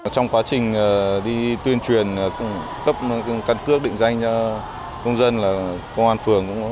trong quá trình đi tuyên truyền cấp căn cước định danh cho công dân là công an phường cũng